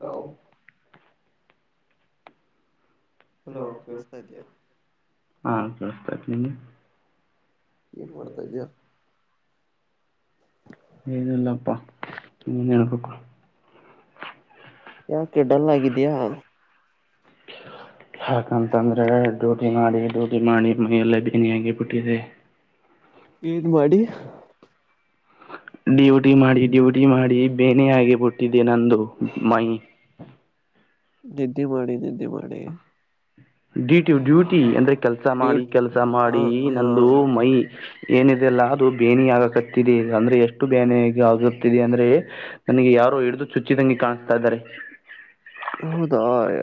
Hello how hello ಕೆಳಸ್ತ ಕೇಳಿಸ್ತಾ ಇದೆಯಾ ಇದಿಯ ಹಾ ನಷ್ಟ ಆಯ್ತ ನಿಂದ ಏನ್ ಮಾಡ್ತಾ ಇದ್ಯಾ ಏನಿಲ್ಲ ಅಪ್ಪ ನೀನೇ ಹೇಳಬೇಕು ಯಾಕೆ ಡಲ್ ಆಗಿದಿಯಾ ಯಾಕಂತಂದ್ರೆ ಡೋಕಿ ಮಾಡಿ ಡೋಕಿ ಮಾಡಿ ಮೈಯಲ್ಲ ಬನಿಯಾಗಿ ಬಿಟ್ಟಿದೆ ಏನ್ ಮಾಡಿ ಡ್ಯೂಟಿ ಮಾಡಿ ಡ್ಯೂಟಿ ಮಾಡಿ ಬೇನೆ ಆಗಿಬಟ್ಟಿದ್ದೆ ನಂದು ಮೈ ನಿದ್ದೆ ಮಾಡಿ ನಿದ್ದೆ ಮಾಡಿ ಡ್ಯೂ ಟು ಡ್ಯೂಟಿ ಅಂದ್ರೆ ಕೆಲ್ಸ ಮಾಡಿ ಡ್ಯೂಟಿ ಕೆಲ್ಸ ಮಾಡಿ ಹ ಹಾ ನಂದು ಮೈ ಏನಿದೆ ಅಲ್ಲ ಅದು ಬೇನಿ ಆಗಕತ್ತಿದೆ ಅಂದ್ರೆ ಎಷ್ಟು ಬೇನೆ ಆಗುತ್ತಿದೆ ಅಂದ್ರೆ ನನಗೆ ಯಾರೋ ಹಿಡಿದು ಚುಚ್ಚಿದಂಗಿ ಕಾಣ್ತಾ ಇದಾರೆ ಹೌದಾ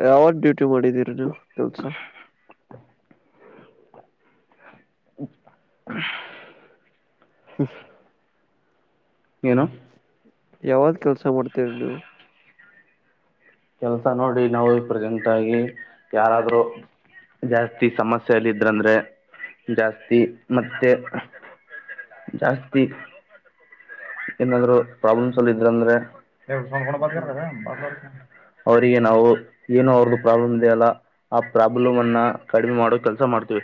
ಯಾವ.. ಇಷ್ಟು ಮಾಡಿದೀರಿ ನೀವು ಕೆಲ್ಸ [unintelligible] ಹ್ಮ್ [unintelligible] ಏನು ಯಾವಾಗ್ ಕೆಲ್ಸ ಮಾಡ್ತೀರಿ ನೀವು ಕೆಲಸ ನೋಡಿ ನಾವು ಪ್ರೆಸೆಂಟ್ ಆಗಿ ಯಾರಾದ್ರರು ಜಾಸ್ತಿ ಸಮಸ್ಯೆಲ್ ಇದ್ರಂದ್ರೆ ಜಾಸ್ತಿ ಮತ್ತೆ ಜಾಸ್ತಿ ಏನಾದ್ರು ಪ್ರಾಬ್ಲಮ್ಸ್ ಅಲ್ ಇದ್ರ ಅಂದ್ರೆ ಎ ಸನ್ಕೊಂಡ ಹ್ಮ್ ಬರ್ಗರ್ದದ ಬಾಗಲಾ.. ಅವರಿಗೆ ನಾವು ಏನೋ ಅವ್ರ್ದು ಪ್ರಾಬ್ಲಮ್ ಇದೆಯಲ್ಲ ಆ ಪ್ರಾಬ್ಲಮ್ ಅನ್ನ ಕಡಿಮೆ ಮಾಡೋ ಕೆಲ್ಸ ಮಾಡ್ತೀವಿ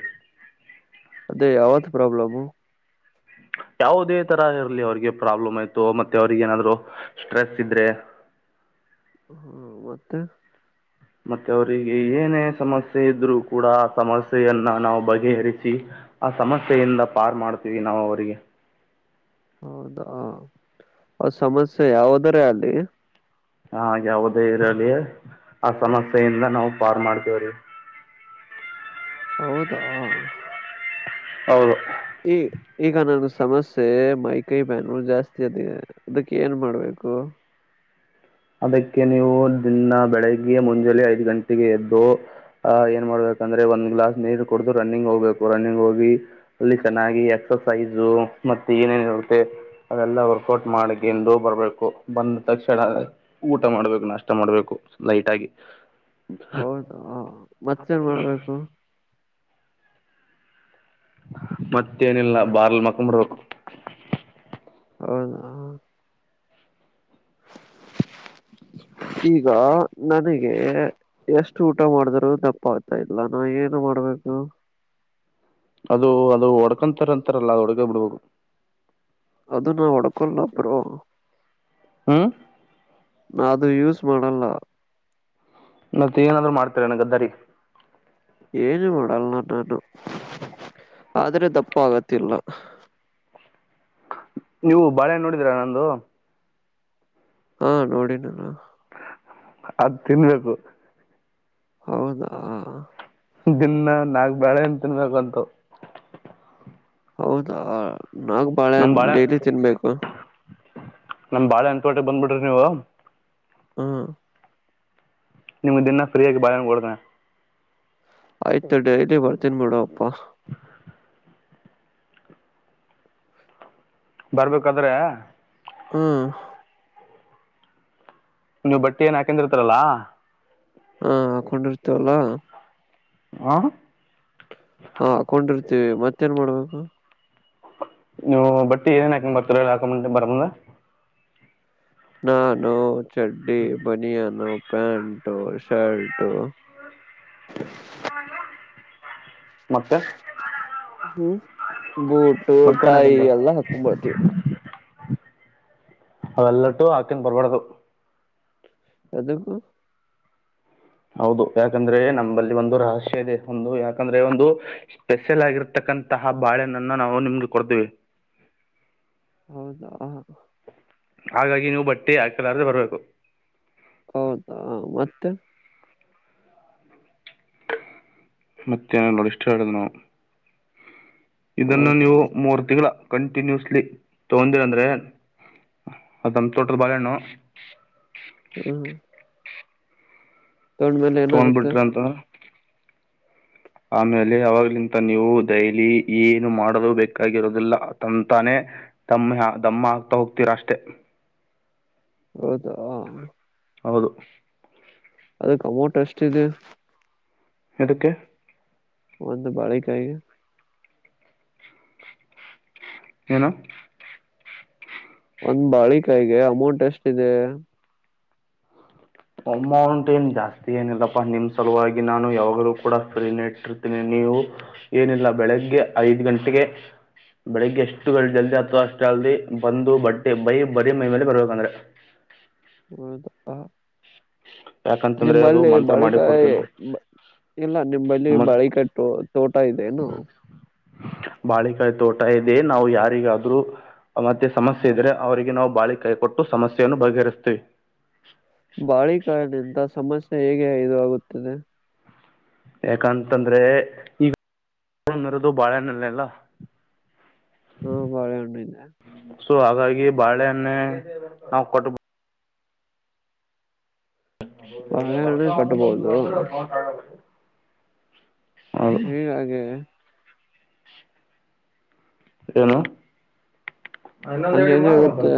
ಅದೇ ಯಾವತ್ ಪ್ರಾಬ್ಲಮು ಯಾವುದೇ ತರ ಇರಲಿ ಅವ್ರಿಗೆ ಪ್ರಾಬ್ಲಮ್ ಆಯ್ತು ಮತ್ತೆ ಅವ್ರಿಗ ಏನಾದ್ರು ಸ್ಟ್ರೆಸ್ ಇದ್ರೆ ಹ್ಮ ಮತ್ತೆ ಮತ್ತೆ ಅವರಿಗೆ ಏನೇ ಸಮಸ್ಯೆ ಇದ್ರು ಕೂಡ ಆ ಸಮಸ್ಯೆಯನ್ನ ನಾವು ಬಗೆಹರಿಸಿ ಆ ಸಮಸ್ಯೆಯಿಂದ ಪಾರ್ ಮಾಡ್ತೀವಿ ನಾವು ಅವರಿಗೆ ಹೌದಾ ಅ ಸಮಸ್ಯೆ ಯಾವದರೆ ಆಗ್ಲಿ ಹಾ ಯಾವುದೇ ಇರಲಿ ಆ ಸಮಸ್ಯೆಯಿಂದ ನಾವು ಪಾರ್ ಮಾಡ್ತೇವ್ರಿ ಹೌದಾ ಹೌದು ಈ ಈಗ ನನ್ ಸಮಸ್ಯೆ ಮೈಕೈ ಬಾನು ಜಾಸ್ತಿ ಅದಿದೆ ಅದಕ್ಕೆ ಏನ್ ಮಾಡ್ಬೇಕು ಅದಕ್ಕೆ ನೀವು ದಿನ್ನ ಬೆಳಿಗ್ಗೆ ಮುಂಜಾನೆ ಐದ್ ಗಂಟೆಗೆ ಎದ್ದು ಅಹ್ ಏನ್ ಮಾಡ್ಬೇಕಂದ್ರೆ ಒಂದ್ ಗ್ಲಾಸ್ ನೀರು ಕುಡ್ದು ರನ್ನಿಂಗ್ ಹೋಗ್ಬೇಕು ರನ್ನಿಂಗ್ ಹೋಗಿ ಅಲ್ಲಿ ಚೆನ್ನಾಗಿ ಎಕ್ಸಸೈಜು ಮತ್ತೆ ಏನೇನ ಆಗುತ್ತೆ ಅದೆಲ್ಲ ವರ್ಕೌಟ್ ಮಾಡಕಂದು ಬರ್ಬೇಕು ಬಂದ ತಕ್ಷಣ ಊಟ ಮಾಡ್ಬೇಕು ನಷ್ಟ ಮಾಡ್ಬೇಕು ಲೈಟ್ ಆಗಿ ಹೌದ ಮತ್ತೇನ್ ಮಾಡ್ಬೇಕು ಮತ್ತೇನಿಲ್ಲ ಬಾರ್ಲ್ ಮಕ್ಕೊಂಬಿರ್ಬೇಕು ಹೌದ ಈಗ ನನಗೆ ಎಷ್ಟು ಊಟ ಮಾಡಿದ್ರರು ತಪ್ಪಾಗಗ್ತಾ ಇಲ್ಲ ನಾ ಏನು ಮಾಡ್ಬೇಕು ಅದು ಅದು ಒಡ್ಕೊಂತಾರ ಅಂತಾರಲ್ಲ ಅದು ಒಡಗ ಬಿಡ್ಬೇಕು ಅದು ನಾ ಒಡ್ಕೊಲ್ಲಬರು ಹ್ಮ ನದುು ಯೂಸ್ ಮಾಡಲ್ಲ ಮತ್ತೆ ಏನಾದ್ರು ಮಾಡ್ತರ ನನ ಗದ್ದಾರಿ ಏನು ಮಾಡಲ್ಲ ನಾನು ಆದ್ರೆ ದಪ್ಪ ಆಗತ್ತಿಲ್ಲ ನೀವು ಬಾಳೆಹಣ್ಣ ನೋಡಿದೀರಾ ನಂದು ಹಾ ನೋಡಿ ನಾನು ಅದ್ ತಿನ್ಬೇಕು ಹೌದಾ ದಿನ್ ನಾಲ್ಕು ಬಾಳೆ ಹಣ್ಣು ತಿನ್ಬೇಕಂತು ಹೌದಾ ನಾಕ್ ಬಾಳೆ ಹಣ್ ಡೈಲಿ ತಿನ್ಬೇಕು ನಮ್ ಬಾಳೆ ಹಣ್ ತೋಟಕ್ ಬಂದ್ಬಿಡ್ರಿ ನೀವು ಹಾ ನಿಮ ದೀನ್ನ ಫ್ರೀಯಾಗಿ ಬಾಳೆ ಹಣ್ ಕೊಡ್ತೇನೆ ಆಯ್ತು ಡೈಲಿ ಬರ್ತೀನ್ ಬುಡ್ಡು ಅಪ್ಪಾ [inaudible] ಬರ್ಬೇಕಾದ್ರೆ ಹ್ಮ ನೀವು ಬಟ್ಟೆ ಏನ್ ಹಾಕೆಂದು ಇರ್ತೀರಲ್ಲ ಹಾ ಹಾಕೊಂಡಿರ್ತೇವಲ್ಲ ಹ ಹಾ ಹಕೊಂಡಿರ್ತೀವಿ ಮತ್ತೇನ್ ಮಾಡ್ಬೇಕು ನೀವು ಬಟ್ಟಿ ಏನ್ ಹಕೆಮ್ ಬರ್ತೀರಿ ಹೇಳ್ ಹಾಕ ಬರ ಮುಂದ ನಾನು ಚಡ್ಡಿ ಬನಿಯಾನು ಪ್ಯಾಂಟು ಶರ್ಟು ಮತ್ತೆ [inaudible] ಬೂಟು ಮತ್ತೇನ್ ಟಾಯಿ ಹಾಕೊಂಡ್ ಎಲ್ಲಾ ಹಾಕೋಂಬರ್ತಿವಿ ನಾವು ಅಲ್ಲಟ್ಟು ಆಕನ್ ಬರಬಾರದು ಎದಕ್ಕೂ ಹೌದು ಯಾಕಂದ್ರೆ ನಮ್ಮಂಬಲ್ಲಿ ಒಂದು ರಹಸ್ಯ ಇದೆ ಒಂದು ಯಾಕಂದ್ರೆ ಒಂದು ಸ್ಪೆಷಲ್ ಆಗಿರ್ತಕ್ಕಂತಹ ಬಾಳೆನನ್ನ ನಾವು ನಿಮ್ಗೆ ಕೊಡ್ತೇವಿ ಹೌದಾ ಹಾಗಾಗಿ ನೀವು ಬಟ್ಟೆ ಹಾಕೆಲಾರ್ದೆ ಬರ್ಬೇಕು ಹೌದಾ ಮತ್ತೆ ಮತ್ತೆನೀಲ್ ನೋಡ್ ಇಷ್ಟೇ ನಡದ ನೋಡ್ ಇದನ್ನು ಹೌದಾ ನೀವು ಮೂರ್ ತಿಂಗಳ ಕಂಟಿನ್ಯೂಸ್ಲಿ ತೊಗೊಂಡಿರಂದ್ರೆ ಅದ ನಮ್ಮ ತೋಟದ ಬಾಳೆಹಣ್ಣು ಹ್ಮ್ ತಗೊಂಡ್ಮೇಲೆ ಏನಾಗುತ್ತೆ ತೊಗೊಂಡ್ಬಿಟ್ರಿ ಅಂತಂದ್ರೆ ಆಮೇಲೆ ಅವಾಗ್ಲಿಂತ ನೀವು ಡೈಲಿ ಏನು ಮಾಡದು ಬೇಕಾಗಿರೋದಿಲ್ಲ ತಂತಾನೆ ದಮ್ಮ ದಮ್ಮ ಆಗ್ತಾ ಹೋಗ್ತೀರ ಅಷ್ಟೆ ಹೌದಾ ಹೌದು ಅದಕ್ ಅಮೌನ್ ಎಷ್ಟಿದೆ ಎದಕ್ಕೆ ಒಂದು ಬಾಳಿಕಾಯಿ ಏನು ಒಂದ್ ಬಾಳಿಕಾಯಿಗೆ ಅಮೌಂಟ್ ಎಷ್ಟಿದೆ ಅಮೌಂಟ್ ಏನ್ ಜಾಸ್ತಿ ಏನಿಲ್ಲಪ್ಪಾ ನಿಮ್ ಸಲುವಾಗಿ ನಾನು ಯಾವಾಗಲೂ ಕೂಡ ಫ್ರೀನ ಇಟ್ಟಿರ್ತೀನಿ ನೀವು ಏನಿಲ್ಲ ಬೆಳಗ್ಗೆ ಐದ್ ಗಂಟೆಗೆ ಬೆಳಗ್ಗೆ ಎಷ್ಟು ಜಲ್ದಿ ಅತದಾ ಅಷ್ಟ ಜಲ್ದಿ ಬಂದು ಬಟ್ಟಿ ಬೈ ಬರೀ ಮೈ ಮೇಲೆ ಬರ್ಬೇಕಂದ್ರೆ ಹೌದಾ ಯಾಕಂತಂದರೆ ಅದು ನಿಂಬಲ್ಲಿ ಮಂತ್ರ ಮಾಡಿ ಬಾಳಿಕಾಯಿ ಕೊಡ್ತೀವಿ ನಾವು ಇಲ್ಲ ನಿಲ್ಲಿ ಮತ್ತು ಬಾಳಿಕಟ್ಟು ತೋಟ ಇದೆೇನು ಬಾಳೆಕಾಯಿ ತೋಟ ಇದೆ ನಾವು ಯಾರಿಗಾದ್ರು ಮತ್ತೆ ಸಮಸ್ಯೆ ಇದ್ರೆ ಅವರಿಗೆ ನಾವು ಬಾಳಿಕಾಯಿ ಕೊಟ್ಟು ಸಮಸ್ಯೆಯನ್ನು ಬಗೆಹರಿಸ್ತೇವಿ ಬಾಳೆ ಕಾಯಿ ನಿಂದ ಸಮಸ್ಯೆ ಹೇಗೆ ಇದು ಆಾಗುತ್ತದೆ ಯಾಕಂತಂದ್ರೆ ಈಗರದು ಬಾಳೆನಲ್ಲಲ್ಲ ಹ್ಮಬಾಳೆ ಹಣ್ಣು ಇಲ್ಲ ಸೊ ಹಾಗಾಗಿ ಬಾಳೆೆಯನ್ನೆ ನಾವು ಕೊಟ್ಟಬ ಹ ಹೌ ಈಗ ಬಾಳೆಹಣ್ಣು ಬರ್ತಾವ ಬಂದು ಕಟ್ಬೋದು ಅಂದ್ರೆ ಆದು ಹಗೆ ಏನು ಇನ್ನೊಂದು ಹಂಗೆ ಎಡಿ ಮಾಡಾರುವ ಹೆಂಗಾಗುತ್ತೆ ಬಂತ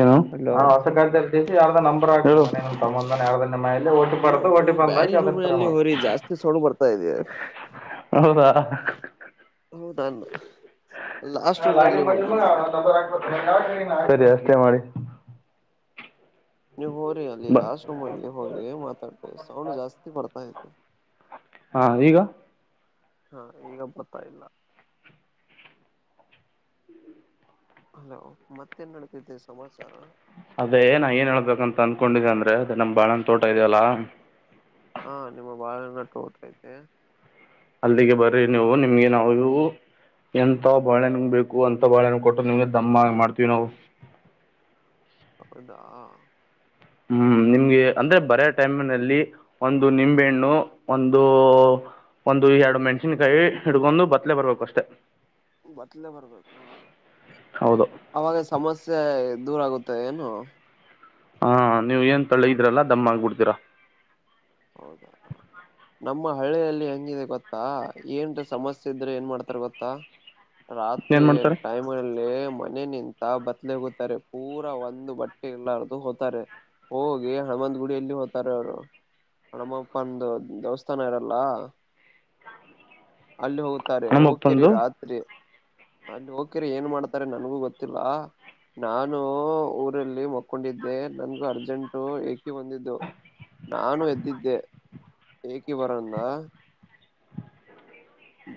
ಏನು ಹ ಹಲೋ ಹೊಸ ಕ ಯಾರ್ದ ನಂಬರ್ ಆ ತಮ್ಮಂದ ಯಾರ ಮ ಓಟಿ ನೀವು ಪತು ಓಟಿ ಬಂದ ಬ್ಯಾರೆ ಅದ್ರ ರ ರೂಮ್ನಲ್ಲಿ ಮಾಡ ಹೋರಿ ಜಾಸ್ತಿ ಸೌಂಡ್ ಬರ್ತಾ ಇದೆ ಹೌದಾ ಹೌದನ್ ಲಾಸ್ಟ್ ರೂಮ ಅಲ್ಲಿ ಹೋಗ್ ನಾವು ಸರಿಯಾ ಅಷ್ಟೆ ಮಾಡಿ ನೀವು ಹೋರಿ ಅಲ್ಲಿ ಬ ಲಾಸ್ಟ್ ರೂಮ್ ಅಲ್ಲಿ ಹೋಗಿ ಮಾತಾಡ್ತ ಸೌಂಡ್ ಜಾಸ್ತಿ ಬರ್ತಾ ತಿ ಹಾ ಈಗ ಹಾ ಈಗ ಬರ್ತಾ ಇಲ್ಲ ಹಲೋ ಮತ್ತೇನ್ ನಡತಿದ್ದೆ ಸಮಾಚಾರ ಅದೇ ನಾ ಏನ್ ಹೇಳ್ಬೇಕಂತ ಅಂದಕೊಂಡೆ ಅಂದ್ರೆ ಅದೇ ನಮ್ ಬಾಳ ತೋಟ ಇದ್ಯಲ್ಲ ಹಾ ನಿಮ್ಮ ಬಾಳ ನಟೋತೈತೆ ಅಲ್ಲಿಗೆ ಬರ್ರಿ ನೀವು ನಿಮ್ಗೆ ನಾವವು ಎಂತ ಬಾಳೆಣ ಬೇಕು ಅಂತ ಬಾಳೆಣ್ಣ ಕೊಟ್ಟು ನಿಮ್ಗೆ ದಮ್ಮ ಮಾಡ್ತೀವಿ ನಾವು ಹೌದಾ ಹ್ಮ್ ನಿಮ್ಗೆ ಅಂದ್ರೆ ಬರ ಟೈಮ್ ನಲ್ಲಿ ಒಂದು ನಿಂಬೆಹಣ್ಣು ಒಂದು ಒಂದು ಎರಡು ಮೆಣಸಿನ್ಕಾಯಿ ಹಿಡ್ಕೊಂಡು ಬತ್ಲೆ ಬರ್ಬೇಕು ಅಷ್ಟೆ ಬದಲ ಬರ್ಬೇಕು ಹೌದು ಅವಾಗ ಸಮಸ್ಯೆ ದೂರ ಆಗುತ್ತೆ ಏನು ಹಾ ನೀವ್ ಏನ್ ತಳ್ಳಿ ಇದ್ರಲ್ಲ ದಮ್ಮ ಆಗ್ಬಿಡ್ತೀರಾ ಹೌದಾ ನಮ್ಮ ಹಳ್ಳಿಯಲ್ಲಿ ಹಂಗಿದೆ ಗೊತ್ತಾ ಏನ್ ಸಮಸ್ಯೆ ಇದ್ರೆ ಏನ್ ಮಾಡ್ತಾರ ಗೊತ್ತಾ ಏನು ರಾತ್ರಿ ಮಾಡ್ತಾರೆ ಟೈಮ್ ಅಲ್ಲಿ ಮ ಮನೆ ನಿಂತ ಬತ್ಲೆ ಹತಾರೆ ಪೂರ ಒಂದು ಬಟ್ಟೆ ಇಲ್ಲಾರದುು ಹೋತಾರೆ ಹೋಗಿ ಹಣಮಂದ್ ಗುಡಿಯಲ್ಲಿ ಹೋ್ತಾರೆ ಅವರು ಹನುಮ್ಮಪ್ಪಂದು ದೇವಸ್ಥಾನ ಇರಲ್ಲ ಅಲ್ಲಿ ಹೋಗ್ತಾರೆ ಹೋಗ್ತಿರಿ ಹನುಮಪ್ಪಂದು ರಾತ್ರಿ ಅಲ್ಲಿ ಹೋಗಕರಿ ಏನ್ ಮಾಡ್ತಾರೆ ನನ್ಗೂ ಗೊತ್ತಿಲ್ಲ ನಾನು ಊರಲ್ಲಿ ಮಕ್ಕೊಂಡಿದ್ದೆ ನನ್ಗೂ ಅರ್ಜೆಂಟು ಏಕೆ ಬಂದಿದ್ದು ನಾನು ಎದ್ದಿದ್ದ ಇ ಏಕೆ ಬರಂದ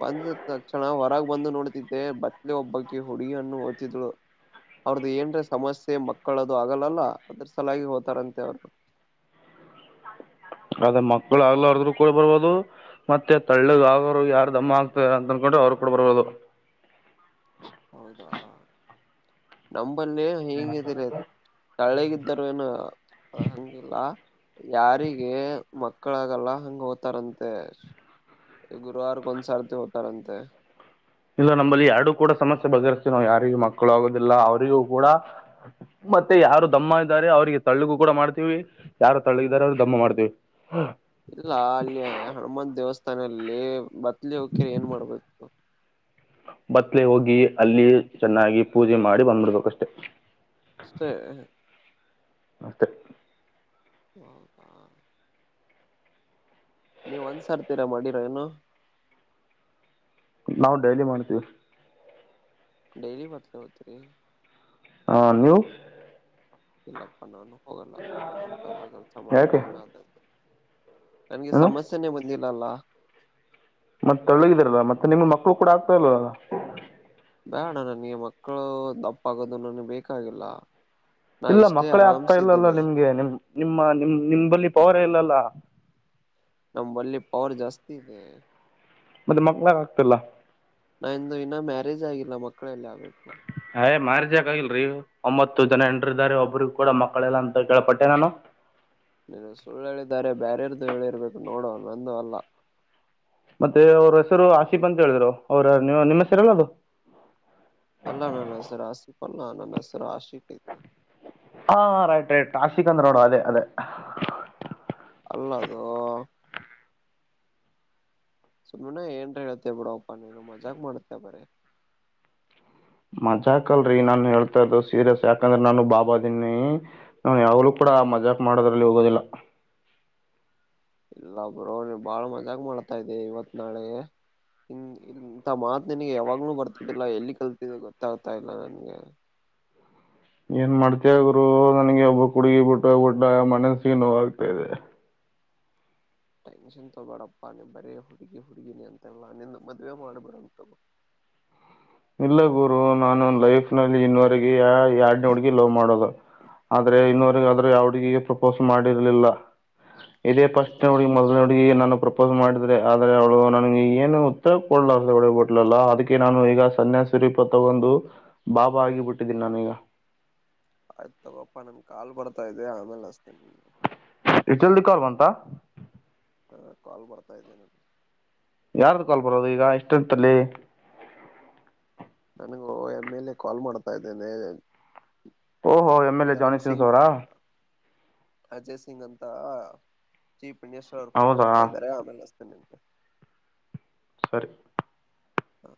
ಬಂದ ತಕ್ಷಣ ಹೊರಗ ಬಂದು ನೋಡ್ತಿದ್ದೆ ಬತ್ಲೆ ಒಬ್ಬಕ ಹುಡುಗ ಹಣ್ಣು ಓ್ತದ್ಳರು ಅವ್ರದ್ದ ಏನ್ರ ಸಮಸ್ಯೆ ಮಕ್ಕಳದು ಆಗಲ್ಲಲ್ಲ ಅದ್ರ ಸಲಾಗಿ ಹೋ್ತಾರಂತೆ ಅವರು ಮಕ್ಕಳು ಆಗ್ಲ್ರದ್ರರು ಕೂಡ ಬರ್ಬಹದು ಮತ್ತೆ ತಳ್ಳಗ ಆಗೋರು ಯಾರ ದಮ್ಮ ಆಗ್ತದೆ ಅಂತ ಅನ್ಕೊಂಡ್ರೆ ಅವ್ರರು ಕೂಡ ಬರ್ಬಹದು ಹೌದಾ ನ ಮ್ಮಲ್ಲಿ ಹೇಂಗ್ದೀರ ತಳ್ಳೆಗಿದ್ದರು ಏನು ಅಂದಿಲ್ಲಾ ಯಾರಿಗೆ ಮಕ್ಕಳಾಗ ಇಲ್ಲ ನಮ್ಮಲ್ಲಿ ಎರಡು ಕೂಡ ಸಮಸ್ಯೆ ಬಗೆಹರ್ಸ್ತೀವಿ. ನಾವು ಯಾರಿಗ ಮಕ್ಕಳು ಆಗೋದಿಲ್ಲ ಅವರಿಗೂ ಕೂಡ ಮತ್ತೆ ಯಾರು ದಮ್ಮ ಇದ್ದಾರೆ ಅವಿಗೆ ತಳ್ಳಿಗೂ ಕೂಡ ಮಾಡ್ತೀವಿ. ಯಾರು ತಳ್ಳಿಗಿದ್ದಾರೆ ಅವರು ದಮ್ಮ ಮಾಡ್ತೀವಿ. ಇಲ್ಲ ಅಲ್ಲಿಯ ಹನುಮನ್ ದೇವಸ್ಥಾನಲ್ಲಿ ಬತ್ಲಿ ಹೋಗಕ್ಯರಿ ಏನ್ ಮಾಡ್ಬೇಕು. ಬತ್ಲೆ ಹೋಗಿ ಅಲ್ಲಿ ಚೆನ್ನಾಗಿ ಪೂಜೆ ಮಾಡಿ ಬಂದ್ಬಿಡ್ಬೇಕಷ್ಟೆ. ಅಷ್ಟೇ. ಅಷ್ಟೇ. ಹೌದಾ. ನೀವ್ ಒಂದ್ಸಾರ್ತೀರಾ ಮಾಡಿರ ಏನು. ನಾವು ಡೈಲಿ ಮಾಡ್ತೀವಿ. ಡೈಲಿ ಬತ್ತಲೆ ಹೊತಿರಿ. ಹಾ ನೀವು, ಇಲ್ಲಪ್ಪ ನಾನು, ಹೋಗಲ್ಲ ಅಂತಲ್ಲ ಕೆಲ್ಸ ಮಾಡಿಲ್ಲ ಯಾಕ್. ಏನಾದ ನನ್ಗೆ ಸಮಸ್ಯೆನೆ ಬಂದಿಲ್ಲ. [unintelligible] ಮತ್ತೆ ತಳ್ಳಗಿದಾರಲ್ಲ ಮತ್ತೆ ನಿಮ್ ಮಕ್ಳು ಕೂಡ ಆಗ್ತಾ ಇಲ್ವಾಲ್. ಇಲ್ಲ ಅಣ್ಣ ನನಗೆ ಮಕ್ಕಳು ದಪ್ಪ ಆಗೋದು ನನಗೆ ಬೇಕಾಗಿಲ್ಲ. ನಾ ಇಲ್ಲ ಇಷ್ಟೇ ಮಕ್ಕಳೇ ಆಗ್ತಾ ಆರಾಮ್ಸ ಇಲ್ಲಲ್ಲ. ಇದ್ದೇನೆ ನಿಮ್ಗೆ ನಿಮ್ ನಿಮ್ಮ, ನಿಮ, ನಿಮ, ಬಲ್ಲಿ ಪವರ ಇಲ್ಲಲ್ಲ. ನಂಬಲ್ಲಿ ಪವರ್ ಜಾಸ್ತಿ ಇದೆ. ಮತ್ತೆ ಮಕ್ಳಾಗ ಆಗ್ತಿಲ್ಲ. ನಂದು ಇನ್ನ ಮ್ಯಾರೇಜ್ ಆಗಿಲ್ಲ ಮಕ್ಕಳೆಲ್ಲಿ ಆಗ್ಬೇಕು. ಹೇ ಮ್ಯಾರೇ ಯಾಕ್ ಆಗಿಲ್ರರಿ ಒಂಬತ್ತು ಜನ ಹೆಂಡ್ರು ಇದಾರೆ ಒಬ್ರಗ ಕೂಡ ಮಕ್ಕಳೆಲ್ಲ ಅಂತ ಕೇಳ್ಪಟ್ಟೆ ನಾನು. ನೀನು ಸುಳ್ಳು ಹೇಳಿದ್ದಾರೆ ಬೇರೆಯವರದು ಹೇಳಿರ್ಬೇಕು ನೋಡು ನಂದು ಅಲ್ಲ. ಮತ್ತೆ ಅವ್ರ ಹೆಸರು ಆಸೀಪ್ ಅಂತ ಹೇಳಿದ್ರು ಅವ್ರ ನಿಮ್ಮ ಹೆಸರೆ ಎಲ್ಲ ಅದು. ಅಲ್ಲ ನನ್ನ ಹೆಸರು ಆಸಿ ಲ್ಲ ನನ್ನ ಹೆಸರು ಆಗಿ ಹಾ ರೈಟ್ ರೈಟ್. ಕಾರ್ಷಿಕ ಅಂದ್ರುನೋಡು ಅದೇ ಅದೇ. ಅಲ್ಲದು. ಸುಮ್ಮನಾ ಏನ್ ಹೇಳ್ತೇ ಬಿಡಪ್ಪ ನೀನು ಮಜಾಕ ಮಾಡತೇ ಬರೀ. ಮಜಾಕ್ ಅಲ್ರರಿ ನಾನ್ ಹೇಳ್ತಾ ಇರದು ಸೀರಿಯಸ್ ಯಾಕಂದ್ರೆ ನಾನು ಬಾಬಾ ದನ್ನಿ ನಾನು ಯಾಗಲೂ ಕೂಡ ಮಜಾಕ್ ಮಾಡೋದ್ರಲ್ಲಿ ಹೋಗೋದಿಲ್ಲ. ಇಲ್ಲ ಬ್ರೋ ಬಾಳ ನೀವು ಮಜಾಕ ಮಾಡ್ತಾ ಇದೆ ಇವತ್ ನಾಳೆ ಇ ಇಂತ ಮಾತು ನಿನಗೆ ಯಾವಾಗ್ಲುೂ ಬರ್ತಿದ್ದಿಲ್ಲ ಎಲ್ಲಿ ಕಲ್ತಿದೆ ಗೊತ್ತಾಗ್ತಾ ಇಲ್ಲ ನನ್ಗೆ. ಏನ್ ಮಾಡ್ತೀಯಾ ಗುರು ನನ್ಗೆ ಒಬ್ಬಕಿ ಹುಡುಗಿ ಬಿಟ್ಟು ಹೋಗಿಬಿಟ್ಲು ಮನಸ್ಸಿಗೆ ನೋ ಆಗ್ತಾ ಇದೆ. ಟೆನ್ಷನ್ ತಗೋಡಪ್ಪಾ ನೀ ಬರೀ ಹುಡುಗಿ ಹುಡುಗೀಿನಿ ಅಂತಲ್ಲ್ಲ ನಿಂದು ಮದ್ವೆ ಮಾಡಿಬಿಡುಂ ತಗೋ. ಇಲ್ಲ ಗುರು ನಾನು ಲೈಫ್ ನಲ್ಲಿ ಇನ್ವರೆಗೆ ಯ ಯಾರ್ಡ್ನ ಹುಡ್ಗಿ ಲವ್ ಮಾಡೋಲ್ಲ. ಆದ್ರೆ ಇನ್ವರೆಗೆ ಆದ್ರ ಯಾವಡ್ಗಿಗೆ ಪ್ರಪೋಸ್ ಮಾಡಿರ್ಲಿಲ್ಲ. ಇದೇ ಫಸ್ಟ್ ಹೌದಾ ನೋಡು ಮೊದಲ ನಡುಗ ನು ಪ್ರ ಸ್ ಮಾಡಿದ್ರೆ ಆದ್ರೆ ಅವಳು ನನಗೆ ಏನು ಉತ್ತರ ಕೊಡ್ಲಾರ್ದೆ ಹೊಡೋಗಿ ಬಿಟ್ಲಲ್ಲ ಅದಕ್ಕೆ ನಾನು ಈಗ. ಸನ್ಯಾಸಿರೀಪ ತಗೊಂದು ಬಾಬಾ ಆಗಿಬಿಟ್ಟಿದ್ದೀನಿ ನಾನೀಗ. ಆಯ್ತತ್ ತಗೋಪ್ಪಾ ನನ್ ಕಾಲು ಬರ್ತಾ ಇದೆ ಆಮೇಲೆ ಹಚ್ಚ್ತೀನಿ ನಿನ್ಗೆ. ಎಷ್ಟು ಜಲ್ದಿ ಕಾಲ್ ಬಂತಾ. ಹಾ ಕಾಲ್ ಬರ್ತಾ ಇದ್ದೇನೆು. ಯಾರ್ದು ಕಾಲ್ ಬರೋದು ಈಗ ಎಷ್ಟಂತಲ್ಲಿ. ನನಗೂ ಎ ಮೇಲೆ ಕಾಲ್ ಮಾಡ್ತಾ ಇದ್ದೇನೆ. ಓಹೋ ಎಮ್ ಎಲ್ ಎ ಜನಿ ಧರಮ್ ಸಿನ್ಸ ಸಿಂಗ್ ಅವರಾ. ಅಜಯ್ ಸಿಂಗ್ ಅಂತ ಚೀಪ್. ಪಣೇಶ್ವ ಅವ್ ಫೋನ್ ಹೌದಾ ಮಾಡ್ತ ಇದಾರೆಗೆ. ಸರಿ. ಹ್ಮ.